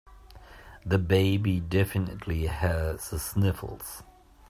The baby definitely has the sniffles.